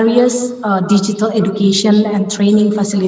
fasilitas pendidikan dan latihan digital